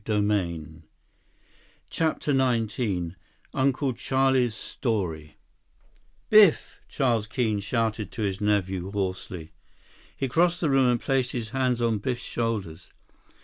152 CHAPTER XIX Uncle Charlie's Story "Biff!" Charles Keene shouted his nephew's name hoarsely. He crossed the room and placed his hands on Biff's shoulders.